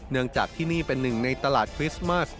เนื่องจากที่นี่เป็นหนึ่งในตลาดคริสต์มัส